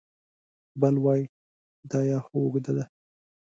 بل وای دا یا خو اوږده ده